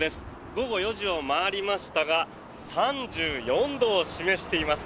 午後４時を回りましたが３４度を示しています。